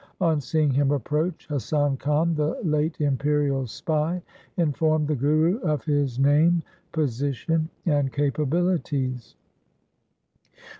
On seeing him approach, Hasan Khan, the late imperial spy, informed the Guru of his name, position, and capabilities.